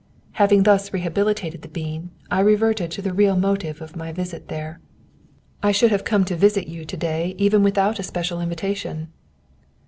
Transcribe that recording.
Having thus rehabilitated the bean, I reverted to the real motive of my visit there. "I should have come to visit you to day even without a special invitation."